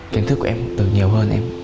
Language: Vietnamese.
kiến thức của em từ nhiều hơn em